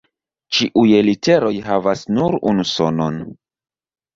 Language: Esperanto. Ĉiuj literoj havas nur unu sonon.